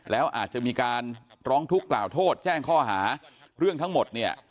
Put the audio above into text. แล้วอาจจะมีการร้องทุกข์กล่าวโทษแจ้งข้อหาเรื่องทั้งหมดเนี่ย